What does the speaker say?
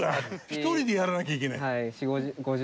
１人でやらなきゃいけないの？